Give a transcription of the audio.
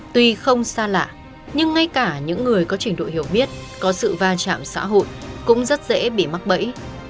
tuy không xa lạ nhưng ngay cả những người có trình độ hiểu biết có sự va chạm xã hội cũng rất dễ bị mắc bẫy